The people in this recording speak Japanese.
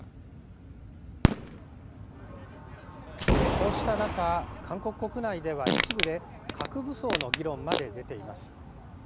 こうした中、韓国国内では一部で、核武装の議論まで出ています。